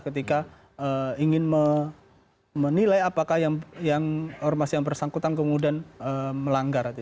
ketika ingin menilai apakah yang ormas yang bersangkutan kemudian melanggar